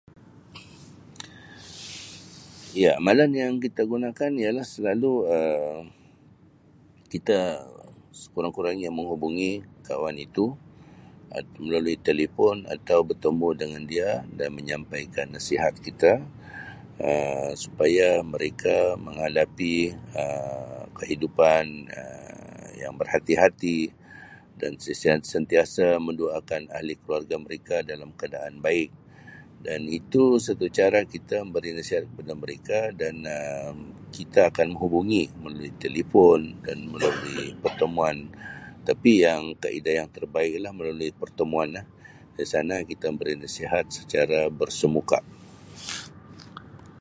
Iya, amalan yang kita gunakan ialah selalu Um kita sekurang-kurangnya menghubungi kawan itu Um melalui telipon atau bertemu dengan dia dan menyampaikan nasihat kita Um supaya mereka menghadapi Um kehidupan Um yang berhati-hati dan se- sen- sentiasa mendoakan ahli keluarga mereka dalam keadaan baik dan itu satu cara kita memberi nasihat kepada mereka dan Um kita akan menghubungi melalui telipon dan melalui pertemuan. Tapi yang kaedah yang terbaik ialah melalui pertemuan la. Di sana kita memberi nasihat secara bersemuka.